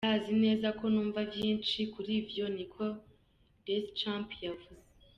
"Ndazi neza ko numva vyinshi kuri ivyo," niko Deschamps yavuze.